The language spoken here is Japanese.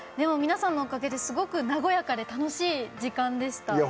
皆さんのおかげですごく和やかで楽しい時間でした。